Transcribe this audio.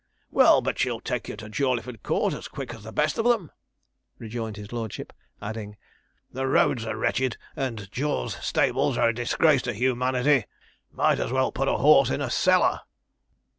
'Well, but she'll take you to Jawleyford Court as quick as the best of them,' rejoined his lordship, adding, 'the roads are wretched, and Jaw's stables are a disgrace to humanity might as well put a horse in a cellar.'